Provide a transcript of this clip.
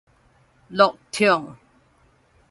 樂暢